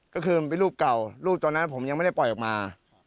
ก็คือมันเป็นรูปเก่ารูปตอนนั้นผมยังไม่ได้ปล่อยออกมา